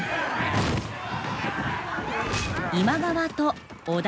今川と織田